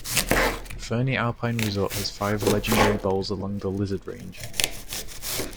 Fernie Alpine Resort has five Legendary Bowls along the Lizard Range.